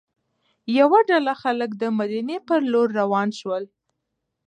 یوه ډله خلک د مدینې پر لور روان شول.